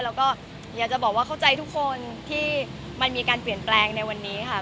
แล้วก็อยากจะบอกว่าเข้าใจทุกคนที่มันมีการเปลี่ยนแปลงในวันนี้ค่ะ